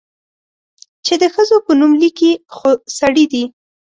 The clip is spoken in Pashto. چې د ښځو په نوم ليکي، خو سړي دي؟